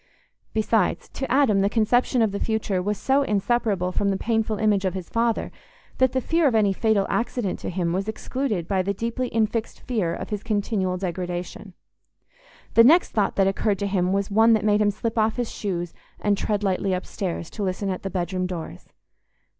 Besides, to Adam, the conception of the future was so inseparable from the painful image of his father that the fear of any fatal accident to him was excluded by the deeply infixed fear of his continual degradation. The next thought that occurred to him was one that made him slip off his shoes and tread lightly upstairs, to listen at the bedroom doors.